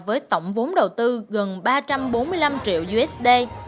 với tổng vốn đầu tư gần ba trăm bốn mươi năm triệu usd